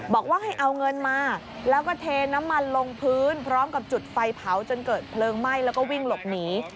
บอกว่าให้เอาเงินมาแล้วก็เทน้ำมันลงพื้นพร้อมกับจุดไฟเผาจนเกิดเพลิงไหม้แล้วก็วิ่งหลบหนี